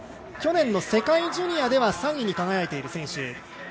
去年の世界ジュニアでは３位に輝いている選手。